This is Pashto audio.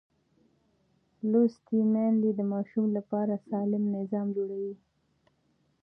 لوستې میندې د ماشوم لپاره سالم نظم جوړوي.